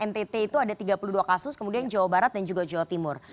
ntt itu ada tiga puluh dua kasus kemudian jawa barat dan juga jawa timur